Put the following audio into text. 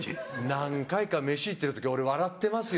何回か飯行ってる時俺笑ってますよ。